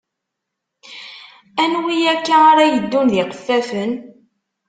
Anwi akk ara yeddun d iqeffafen?